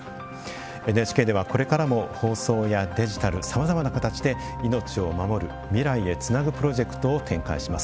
ＮＨＫではこれからも放送やデジタルさまざまな形で「命をまもる未来へつなぐ」プロジェクトを展開します。